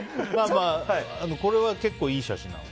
まあこれは結構いい写真なの？